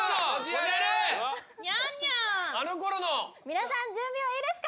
皆さん準備はいいですか！？